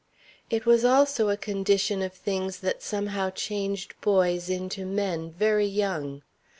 It was also a condition of things that somehow changed boys into men very young.